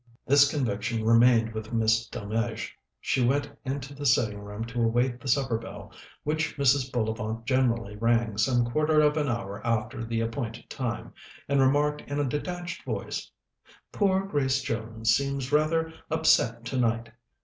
This conviction remained with Miss Delmege. She went into the sitting room to await the supper bell, which Mrs. Bullivant generally rang some quarter of an hour after the appointed time, and remarked in a detached voice: "Poor Grace Jones seems rather upset tonight.